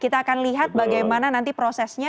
kita akan lihat bagaimana nanti prosesnya